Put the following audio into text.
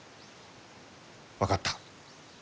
分かった。